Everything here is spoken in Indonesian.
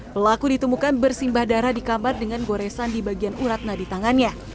pelaku ditemukan bersimbah darah di kamar dengan goresan di bagian uratna di tangannya